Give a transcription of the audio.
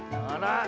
あら。